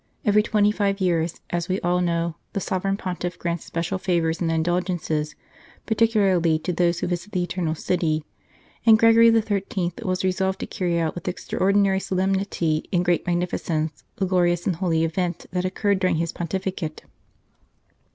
Every twenty five years, as we all know, the Sovereign Pontiff grants special favours and indulgences, particu larly to those who visit the Eternal City ; and Gregory XIII. was resolved to carry out with extraordinary solemnity and great magnificence the glorious and holy event that occurred during his pontificate.